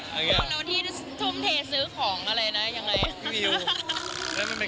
ทุ่มเทซื้อของอะไรนะยังไง